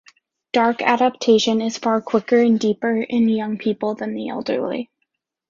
Dark adaptation is far quicker and deeper in young people than the elderly.